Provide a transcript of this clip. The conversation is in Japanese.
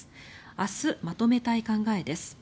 明日、まとめたい考えです。